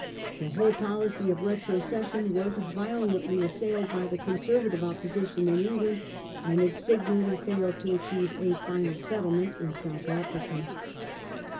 The whole policy of retrocession was violently assailed by the Con servative opposition in England ^ and it signally failed to achieve a final settlement in South Africa.